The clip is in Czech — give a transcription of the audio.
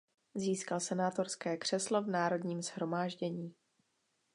Získal senátorské křeslo v Národním shromáždění.